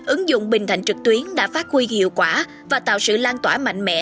ứng dụng bình thạnh trực tuyến đã phát huy hiệu quả và tạo sự lan tỏa mạnh mẽ